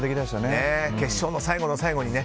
決勝の最後の最後にね。